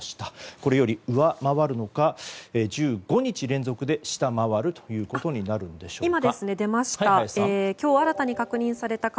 これより上回るのか１５日連続で下回るということになるのでしょうか。